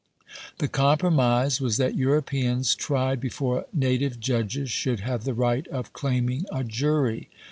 The compromise was that Europeans tried before native judges should have the right of claiming a jury.